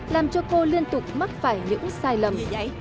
làm cho cô liên tục mắc phải những sai lầm